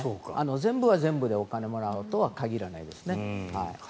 全部が全部お金をもらうとは限らないですね。